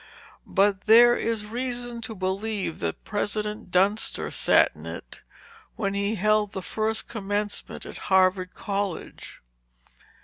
"But there is reason to believe that President Dunster sat in it, when he held the first commencement at Harvard College.